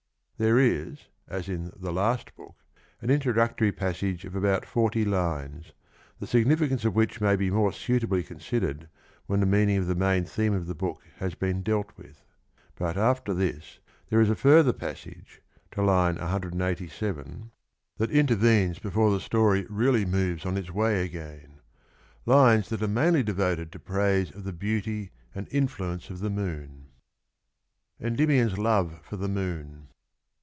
There is, as in the last book, an introductory passage of about forty lines, the significance of which may be more suitably considered when the meaning of the main theme of the book has been dealt with; but after this there is a further passage (to line 187) that intervenes before the story really moves on its way again, lines that are mainly devoted to praise of the beauty and influence of the moon.